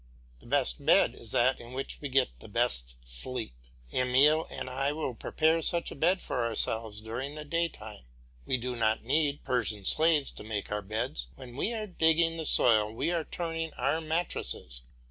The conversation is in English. The best bed is that in which we get the best sleep. Emile and I will prepare such a bed for ourselves during the daytime. We do not need Persian slaves to make our beds; when we are digging the soil we are turning our mattresses.